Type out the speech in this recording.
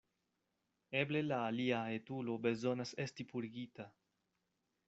Eble la alia etulo bezonas esti purigita.